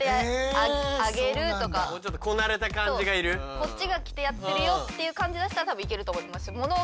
こっちが着てやってるよっていう感じ出したら多分いけると思います。